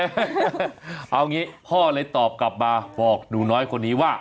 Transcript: เอางี้พ่อเลยตอบกลับมาบอกหนูน้อยคนนี้ว่า